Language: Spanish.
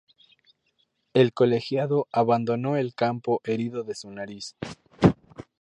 El colegiado abandonó el campo herido de su nariz.